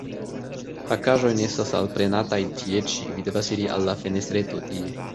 Pakaĵoj ne estas alprenataj tie ĉi; vi devas iri al la fenestreto, tie.